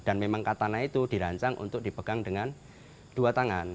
dan memang katana itu dirancang untuk dipegang dengan dua tangan